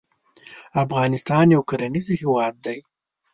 افغانستان یو کرنیز هیواد دی